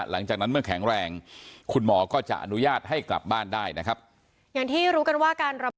หลังจากนั้นเมื่อแข็งแรงคุณหมอก็จะอนุญาตให้กลับบ้านได้นะครับอย่างที่รู้กันว่าการรับ